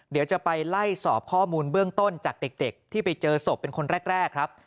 เดี๋ยวจะไปไล่สอบข้อมูลเบื้องต้นจากเด็กที่ไปเจอศพเป็นคนแรกครับ